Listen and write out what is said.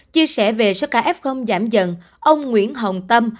chia sẻ về số ca f giảm dần ông nguyễn hồng tâm